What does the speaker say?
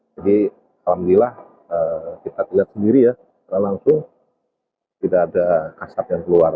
jadi alhamdulillah kita lihat sendiri ya langsung tidak ada asap yang keluar